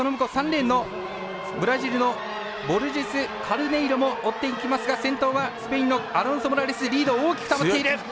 ３レーンのブラジルのボルジェスカルネイロも追っていきますが先頭はアロンソモラレスリードを大きく保っている。